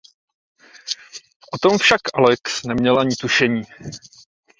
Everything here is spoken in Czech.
O tom však Alex neměl ani tušení.